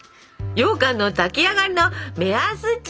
ようかんの炊き上がりの目安ちや。